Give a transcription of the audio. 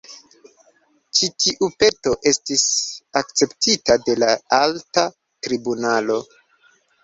Ĉi tiu peto estis akceptita de la alta tribunalo.